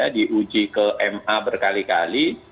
diuji ke ma berkali kali